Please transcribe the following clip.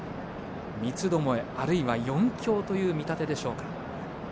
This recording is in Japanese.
三つどもえ、あるいは４強という見立てでしょうか。